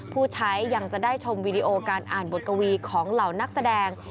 ผู้ใช้ยังจะได้ชมวิดีโอการอ่านบทกวีของเหล่านักแสดง